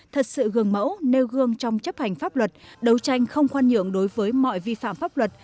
thật sự gương mẫu nêu gương trong chấp hành pháp luật đấu tranh không khoan nhượng đối với mọi vi phạm pháp luật